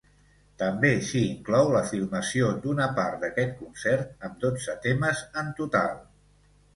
També s'hi inclou la filmació d'una part d'aquest concert, amb dotze temes en total.